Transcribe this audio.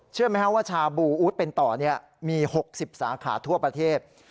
เชื่อมั้ยครับว่าชาบูอู๊ดเป็นต่อเนี่ยมี๖๐สาขาทั่วประเทศ